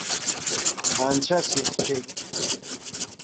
Анцәа сихьчеит.